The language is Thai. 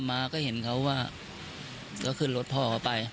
มาก็เห็นเขาว่าก็ขึ้นรถพ่อเขาไป